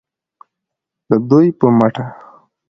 د دوی په مټه